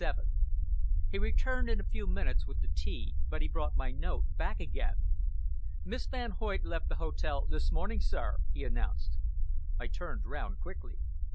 He returned in a few minutes with the tea; but he brought my note back again. "Miss Van Hoyt left the hotel this morning, sir," he announced. I turned round quickly.